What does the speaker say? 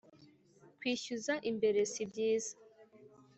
kwishyuza imbere sibyiza